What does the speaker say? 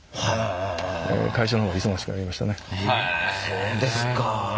そうですか。